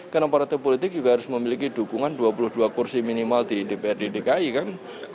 karena partai politik juga harus memiliki dukungan dua puluh dua kursi minimal di dpr di dki kan